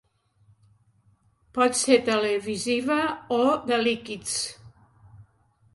Pot ser televisiva o de líquids.